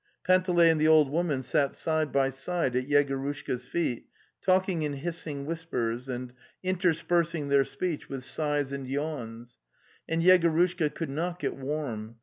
..." Panteley and the old woman sat side by side at Yegorushka's feet, talking in hissing whispers and interspersing their speech with sighs and yawns. And Yegorushka could not get warm.